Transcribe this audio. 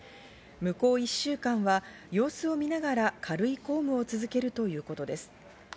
向こう１週間は様子を見ながら、軽い公務を続けるということです。